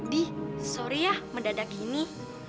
dih sorry ya mendadak gini